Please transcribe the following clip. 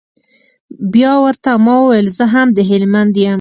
بيا ورته ما وويل زه هم د هلمند يم.